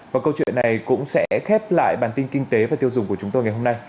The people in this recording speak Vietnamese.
và câu chuyện này cũng sẽ khép lại bản tin kinh tế và tiêu dùng của chúng tôi ngày hôm nay